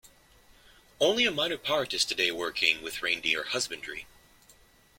Only a minor part is today working with reindeer husbandry.